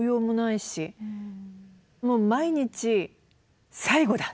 もう毎日「最後だ！